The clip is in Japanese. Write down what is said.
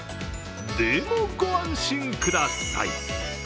でも、ご安心ください。